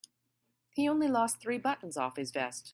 He only lost three buttons off his vest.